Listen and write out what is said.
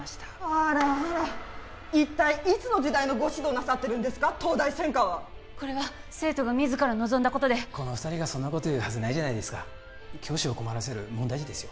あらあら一体いつの時代のご指導をなさってるんですか東大専科はこれは生徒が自ら望んだことでこの二人がそんなこと言うはずないじゃないですか教師を困らせる問題児ですよ